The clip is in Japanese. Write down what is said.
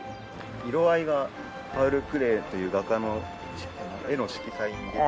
色合いがパウル・クレーという画家の絵の色彩に似てる。